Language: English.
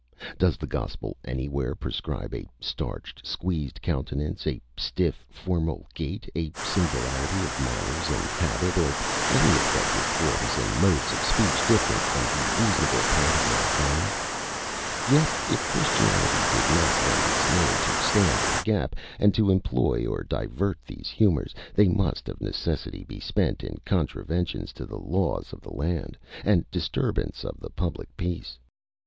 Does the Gospel anywhere prescribe a starched, squeezed countenance, a stiff formal gait, a singularity of manners and habit, or any affected forms and modes of speech different from the reasonable part of mankind? Yet, if Christianity did not lend its name to stand in the gap, and to employ or divert these humours, they must of necessity be spent in contraventions to the laws of the land, and disturbance of the public peace.